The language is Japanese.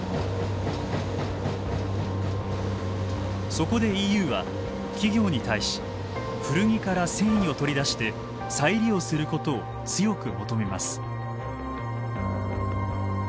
そこでＥＵは企業に対し古着から繊維を取り出して再利用することを強く求めます。